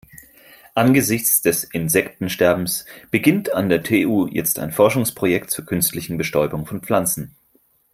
Angesichts des Insektensterbens beginnt an der TU jetzt ein Forschungsprojekt zur künstlichen Bestäubung von Pflanzen.